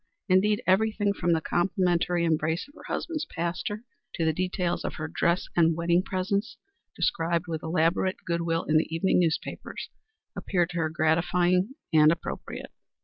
Indeed, everything, from the complimentary embrace of her husband's pastor to the details of her dress and wedding presents, described with elaborate good will in the evening newspapers, appeared to her gratifying and appropriate.